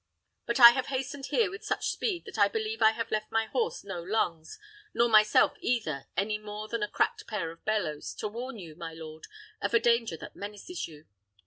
But I have hastened here with such speed that I believe I have left my horse no lungs, nor myself either, any more than a cracked pair of bellows, to warn you, my lord, of a danger that menaces you.